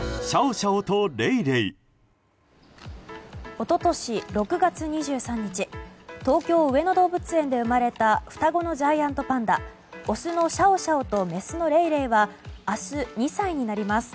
一昨年６月２３日東京・上野動物園で生まれた双子のジャイアントパンダオスのシャオシャオとメスのレイレイは明日２歳になります。